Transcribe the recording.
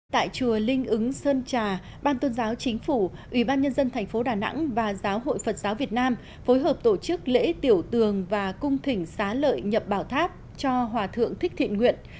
tại chùa linh ứng sơn trà ban tôn giáo chính phủ ủy ban nhân dân thành phố đà nẵng và giáo hội phật giáo việt nam phối hợp tổ chức lễ tiểu tường và cung thỉnh xá lợi nhập bảo tháp cho hòa thượng thích thiện nguyện